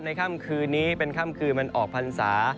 ค่ำคืนนี้เป็นค่ำคืนวันออกพรรษา